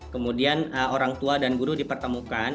kemudian orang tua dan guru dipertemukan